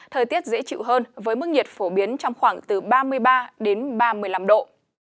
thời tiết dễ chịu hơn với mức nhiệt phổ biến trong khoảng từ ba mươi ba đến ba mươi năm độ